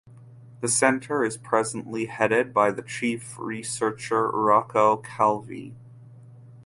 The centre is presently headed by the chief researcher Rocco Calvi.